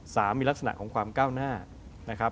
สามมีลักษณะของความก้าวหน้านะครับ